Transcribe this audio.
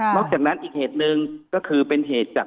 จากนั้นอีกเหตุหนึ่งก็คือเป็นเหตุจาก